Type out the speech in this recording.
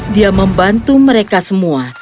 dia membantu mereka semua